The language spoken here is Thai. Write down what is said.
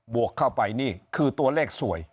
วกเข้าไปนี่คือตัวเลขสวย